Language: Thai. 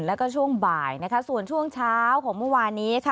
แล้วก็ช่วงบ่ายนะคะส่วนช่วงเช้าของเมื่อวานนี้ค่ะ